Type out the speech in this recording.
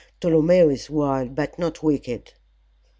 "Tolomeo is wild but not wicked."